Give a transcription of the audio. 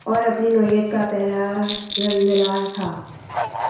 اور اپنی نوعیت کا پہلا زلزلہ تھا